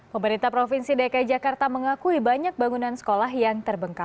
pemerintah provinsi dki jakarta mengakui banyak bangunan sekolah yang terbengkalai